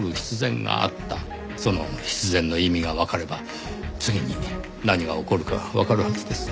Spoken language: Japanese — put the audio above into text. その必然の意味がわかれば次に何が起こるかわかるはずです。